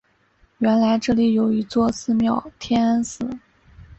原来这里有一座寺庙天安寺。